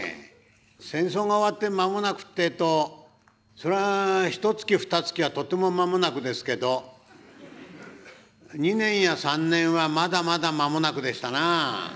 戦争が終わって間もなくってえとそらひとつきふたつきはとても間もなくですけど２年や３年はまだまだ間もなくでしたな。